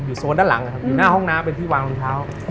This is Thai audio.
อยู่โซนด้านหลังอยู่หน้าห้องน้ำเป็นที่วางรองเท้า